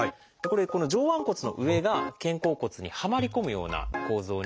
これこの上腕骨の上が肩甲骨にはまり込むような構造になっています。